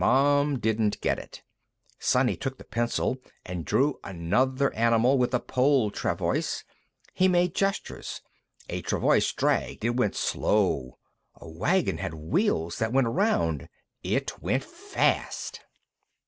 Mom didn't get it. Sonny took the pencil and drew another animal, with a pole travois. He made gestures. A travois dragged; it went slow. A wagon had wheels that went around; it went fast.